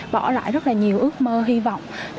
bỏ lại rất là nhiều ước mơ hy vọng